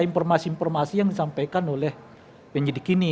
informasi informasi yang disampaikan oleh penyidik ini